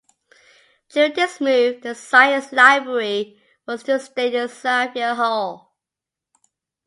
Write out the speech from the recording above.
During this move, the science library was to stay in Xavier Hall.